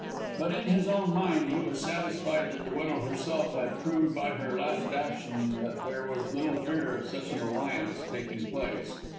But in his own mind he was satisfied that the widow herself had proved by her last action that there was little fear of such an alliance taking place.